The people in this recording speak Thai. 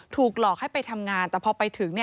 ถูกหลอกให้ไปทำงานแต่พอไปถึง